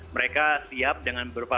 mereka siap dengan beberapa